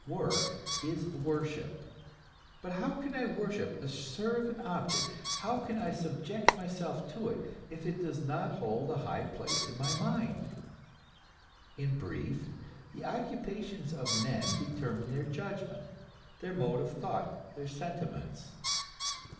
Work is worship. But how can I worship or serve an object, how can I subject myself to it, if it does not hold a high place in my mind ? In brief, the occupations of men determine their judgment, their mode of thought, their sentiments.